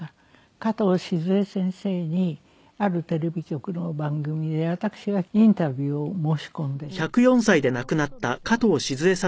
加藤シヅエ先生にあるテレビ局の番組で私がインタビューを申し込んで伺う事になってたんです。